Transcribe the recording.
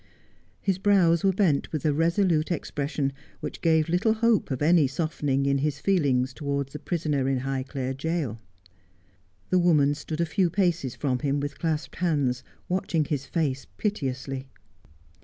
His brows were bent with a resolute expression, which gave little hope of any softening in his feelings towards the prisoner in Highclere gaol. The woman stood a few paces from him, with clasped hands, watching his face piteously